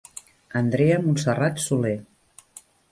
Andrea Montserrat Solé.